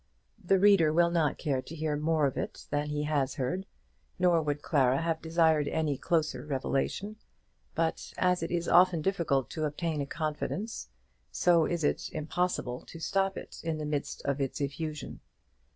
The reader will not care to hear more of it than he has heard. Nor would Clara have desired any closer revelation; but as it is often difficult to obtain a confidence, so is it impossible to stop it in the midst of its effusion.